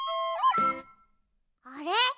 あれ？